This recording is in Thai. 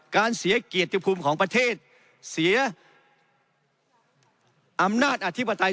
เสียเกียรติภูมิของประเทศเสียอำนาจอธิปไตย